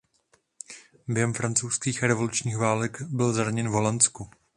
Během francouzských revolučních válek byl zraněn v Holandsku.